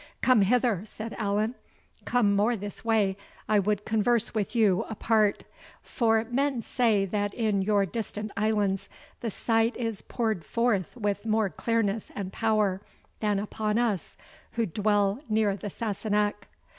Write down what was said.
"Come hither," said Allan, "come more this way, I would converse with you apart; for men say that in your distant islands the sight is poured forth with more clearness and power than upon us, who dwell near the Sassenach."